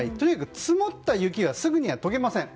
積もった雪はすぐには解けません。